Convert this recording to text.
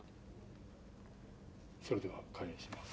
それでは開演します。